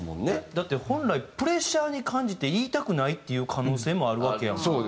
だって本来プレッシャーに感じて言いたくないっていう可能性もあるわけやんか。